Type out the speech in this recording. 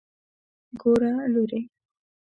ګوره لورې.